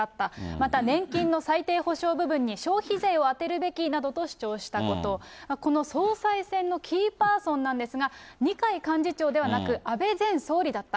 また年金の最低保障部分に消費税を充てるべきなどと主張したこと、この総裁選のキーパーソンなんですが、二階幹事長ではなく安倍前総理だった。